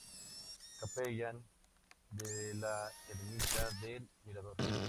Capellán de la Ermita del Mirador.